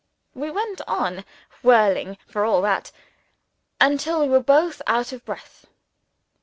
We went on whirling, for all that, until we were both out of breath.